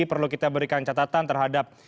perlu kita berikan catatan terhadap